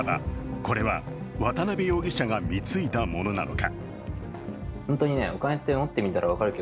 これは渡邊容疑者が貢いだものなのか？